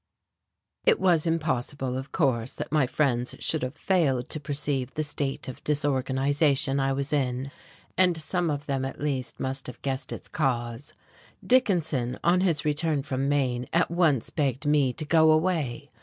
It was impossible, of course, that my friends should have failed to perceive the state of disorganization I was in, and some of them at least must have guessed its cause. Dickinson, on his return from Maine, at once begged me to go away.